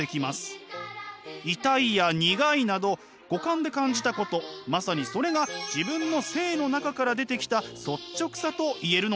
痛いや苦いなど五感で感じたことまさにそれが自分の生の中から出てきた率直さと言えるのです。